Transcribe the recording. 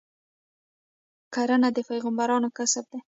کرنه د پیغمبرانو کسب دی.